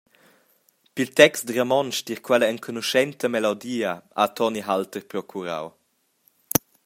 Pil text romontsch tier quella enconuschenta melodia ha Toni Halter procurau.